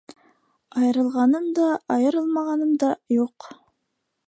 Айырылғаным да, айырылмағаным да юҡ.